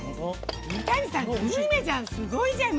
三谷さん、すごいじゃん！